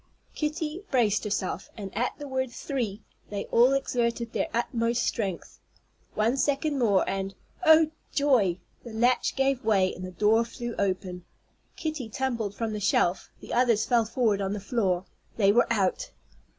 Kitty braced herself, and at the word "three," they all exerted their utmost strength. One second more, and oh, joy! the latch gave way, and the door flew open. Kitty tumbled from the shelf, the others fell forward on the floor, they were out!